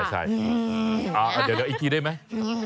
อ่าเดี๋ยวเดี๋ยวอีกกี๊ได้ไหม